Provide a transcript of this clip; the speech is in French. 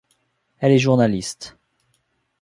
Elle est journaliste.